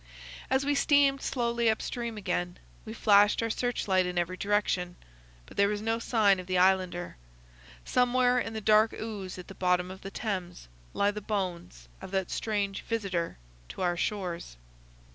As we steamed slowly up stream again, we flashed our search light in every direction, but there was no sign of the Islander. Somewhere in the dark ooze at the bottom of the Thames lie the bones of that strange visitor to our shores.